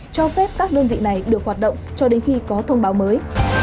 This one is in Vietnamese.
cho phép các đơn vị này được hoạt động cho đến khi có thông báo mới